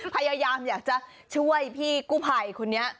พยายามอยากจะช่วยพี่กู้ภัยคนนี้